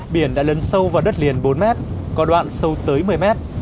biển đã lấn sâu vào đất liền bốn mét có đoạn sâu tới một mươi mét